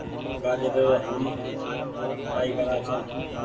گآجري رو هم ڪآئي ڪرآن ڇآن ۔